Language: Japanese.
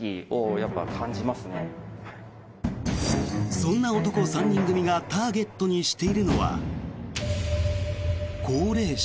そんな男３人組がターゲットにしているのは高齢者。